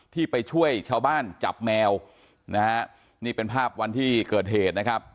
ที่ไปช่วยชาวบ้านจับแมวนะฮะนี่เป็นภาพวันที่เกิดเหตุนะครับ